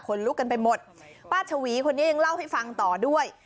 ลุกกันไปหมดป้าชวีคนนี้ยังเล่าให้ฟังต่อด้วย